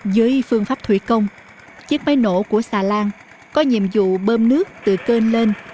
với phương pháp thủy công chiếc máy nổ của xà lan có nhiệm vụ bơm nước từ cơn lên